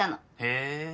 へえ。